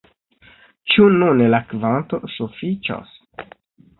Ĉu nun la kvanto sufiĉos?